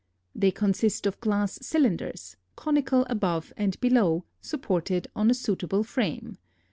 They consist of glass cylinders, conical above and below, supported on a suitable frame.